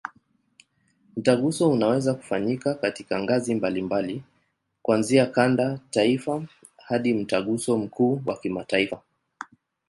Mtaguso unaweza kufanyika katika ngazi mbalimbali, kuanzia kanda, taifa hadi Mtaguso mkuu wa kimataifa.